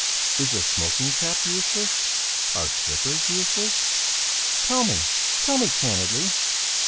Is a smoking cap useless? Are slippers useless? Tell me! Tell me candidly!"